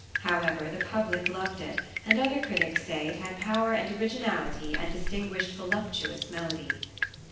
However, the public loved it, and other critics say it had power and originality and distinguished voluptuous melody.